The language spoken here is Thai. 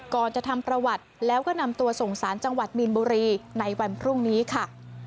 ก่อนจะทำประวัติแล้วก็นำตัวส่งสารจังหวัดมีนบุรีในวันพรุ่งนี้ค่ะ